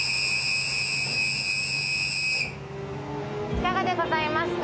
いかがでございますか？